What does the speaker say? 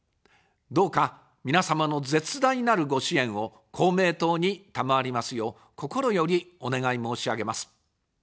どうか皆様の絶大なるご支援を公明党に賜りますよう、心よりお願い申し上げます。